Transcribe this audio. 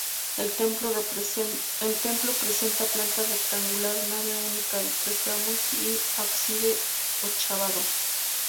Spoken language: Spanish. El templo presenta planta rectangular, nave única de tres tramos, y ábside ochavado.